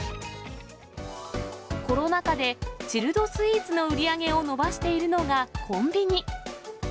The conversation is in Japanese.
コロナ禍でチルドスイーツの売り上げを伸ばしているのがコンビニ。